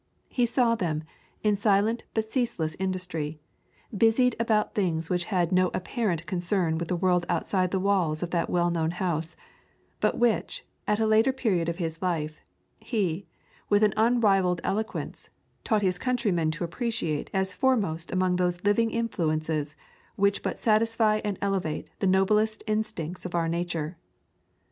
He saw them, in silent but ceaseless industry, busied about things which had no apparent concern with the world outside the walls of that well known house, but which, at a later period of his life, he, with an unrivalled eloquence, taught his countrymen to appreciate as foremost among those living influences which but satisfy and elevate the noblest instincts of our nature.